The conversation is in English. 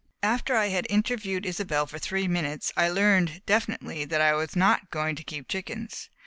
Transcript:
After I had interviewed Isobel for three minutes I learned, definitely, that I was not going to keep chickens.